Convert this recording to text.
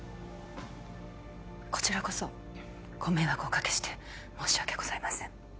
こちらこそご迷惑をおかけして申し訳ございません